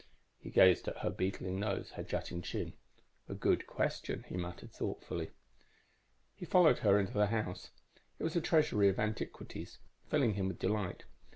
"_ He gazed at her beetling nose, her jutting chin. "A good question," he muttered thoughtfully. _He followed her into the house. It was a treasury of antiquities, filling him with delight.